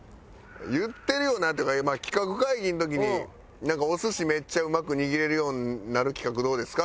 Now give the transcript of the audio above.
「言ってるよな？」っていうか企画会議の時に「お寿司めっちゃうまく握れるようになる企画どうですか？」